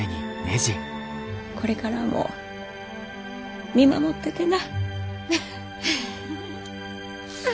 これからも見守っててな。